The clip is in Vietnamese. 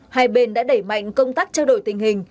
hai bên đã đẩy mạnh công tác trao đổi tình hình